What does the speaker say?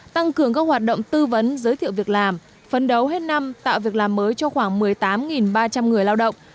tăng cường các hoạt động tư vấn giới thiệu việc làm phấn đấu hết năm tạo việc làm mới cho khoảng một mươi tám ba trăm linh người lao động